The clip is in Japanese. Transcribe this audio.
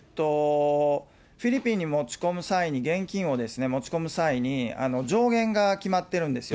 フィリピンに持ち込む際に、現金を持ち込む際に、上限が決まっているんですよ。